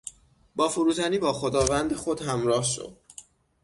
با فروتنی باخداوند خود همراه شو.